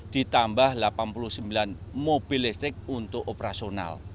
ditambah delapan puluh sembilan mobil listrik untuk operasional